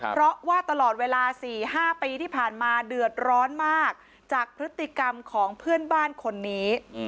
เพราะว่าตลอดเวลา๔๕ปีที่ผ่านมาเดือดร้อนมากจากพฤติกรรมของเพื่อนบ้านคนนี้